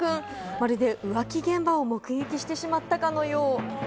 まるで浮気現場を目撃してしまったかのよう。